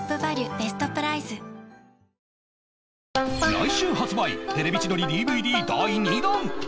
来週発売『テレビ千鳥』ＤＶＤ 第２弾